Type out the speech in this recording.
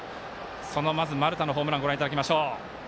その丸田のホームランご覧いただきましょう。